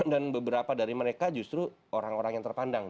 dan beberapa dari mereka justru orang orang yang terpandang